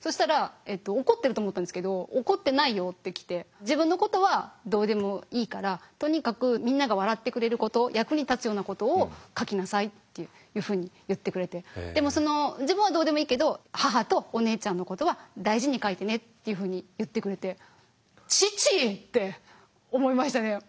そしたら怒ってると思ったんですけど「怒ってないよ」って来て「自分のことはどうでもいいからとにかくみんなが笑ってくれること役に立つようなことを書きなさい」っていうふうに言ってくれてでも「自分はどうでもいいけど母とお姉ちゃんのことは大事に書いてね」っていうふうに言ってくれて「父！」って思いましたね。